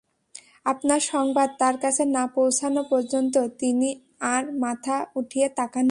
আপনার সংবাদ তাঁর কাছে না পৌঁছানো পর্যন্ত তিনি আর মাথা উঠিয়ে তাকাননি।